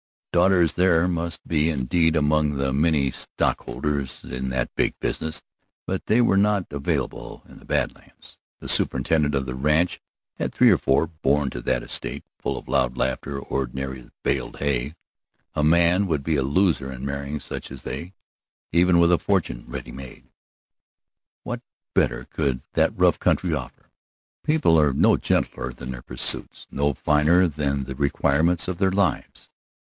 Daughters there must be, indeed, among the many stockholders in that big business, but they were not available in the Bad Lands. The superintendent of the ranch had three or four, born to that estate, full of loud laughter, ordinary as baled hay. A man would be a loser in marrying such as they, even with a fortune ready made. What better could that rough country offer? People are no gentler than their pursuits, no finer than the requirements of their lives.